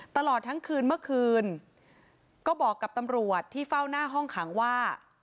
ตลอดทั้งคืนเมื่อคืนก็บอกกับตำรวจที่เฝ้าหน้าห้องขังว่า